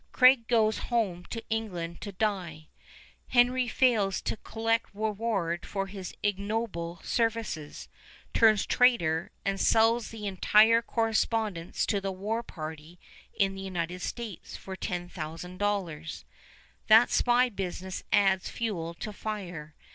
Craig goes home to England to die. Henry fails to collect reward for his ignoble services, turns traitor, and sells the entire correspondence to the war party in the United States for $10,000. That spy business adds fuel to fire.